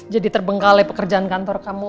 jadi terbengkalai pekerjaan kantor kamu